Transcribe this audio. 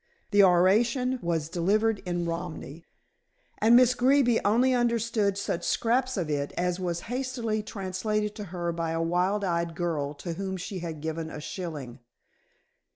The oration was delivered in Romany, and Miss Greeby only understood such scraps of it as was hastily translated to her by a wild eyed girl to whom she had given a shilling.